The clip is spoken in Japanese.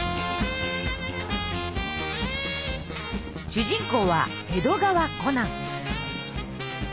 主人公は江戸川コナン。